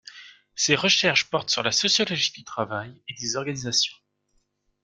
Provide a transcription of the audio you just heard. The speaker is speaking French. Ses recherches portent sur la sociologie du travail et des organisations.